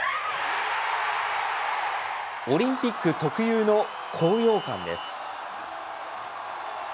オリンピック特有の高揚感です。